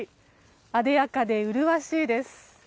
あでやかで麗しいです。